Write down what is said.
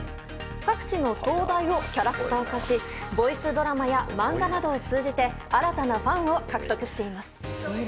各地の灯台をキャラクター化しボイスドラマや漫画などを通じて新たなファンを獲得しています。